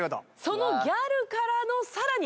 そのギャルからのさらに出題です。